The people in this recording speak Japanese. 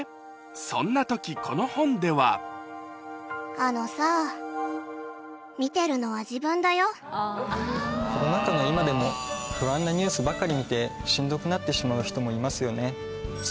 そんな時この本ではコロナ禍の今でも不安なニュースばかり見てしんどくなってしまう人もいますよね。